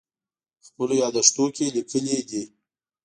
خپلو یادښتونو کې لیکلي دي.